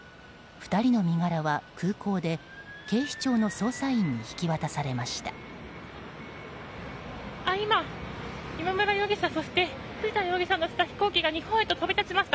２人の身柄は空港で警視庁の捜査員に引き渡されました。